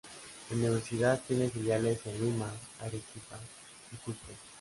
La universidad tiene filiales en Lima, Arequipa y Cusco.